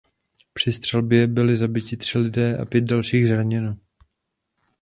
Při střelbě byli zabiti tři lidé a pět dalších zraněno.